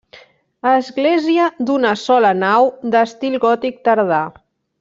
Església d'una sola nau, d'estil gòtic tardà.